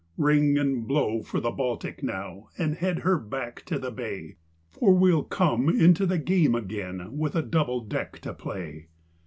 Ring and blow for the Baltic now, and head her back to the bay, For we'll come into the game again with a double deck to play!"